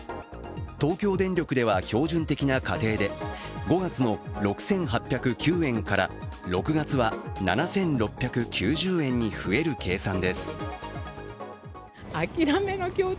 東京電力では標準的な家庭で５月の６８０９円から６月は７６９０円に増える計算です。